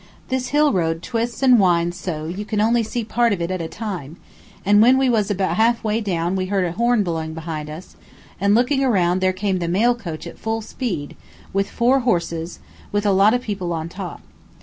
This hill road twists and winds so you can only see part of it at a time, and when we was about half way down we heard a horn blowing behind us, and looking around there came the mail coach at full speed, with four horses, with a lot of people on top.